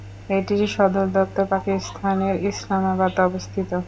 এটির সদর দপ্তর পাকিস্তানের ইসলামাবাদ অবস্থিত।